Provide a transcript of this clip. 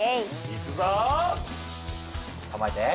いくぞ！